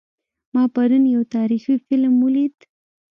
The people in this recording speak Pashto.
ما پرون یو تاریخي فلم ولید